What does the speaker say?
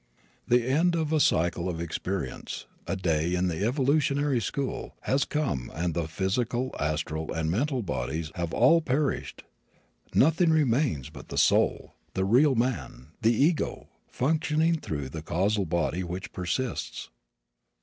The end of a cycle of experience of a day in the evolutionary school has come and the physical, astral and mental bodies have all perished. Nothing remains but the soul, the real man, the ego, functioning through the causal body which persists.